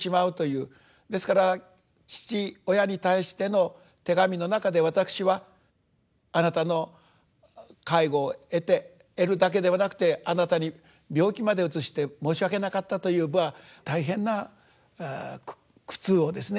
ですから父親に対しての手紙の中でわたくしはあなたの介護を得て得るだけではなくてあなたに病気までうつして申し訳なかったという大変な苦痛をですね